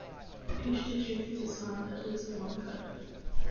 Each district is assigned at least one code.